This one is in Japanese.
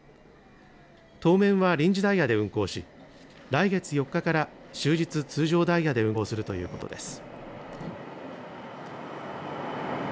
当面は臨時ダイヤで運行し、来月４日から終日通常ダイヤで運行するということです。